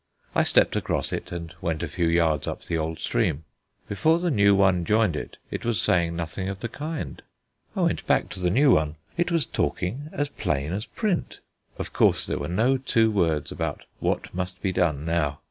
I stepped across it and went a few yards up the old stream. Before the new one joined it, it was saying nothing of the kind. I went back to the new one: it was talking as plain as print. Of course there were no two words about what must be done now.